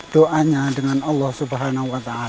doanya dengan allah subhanahu wa ta'ala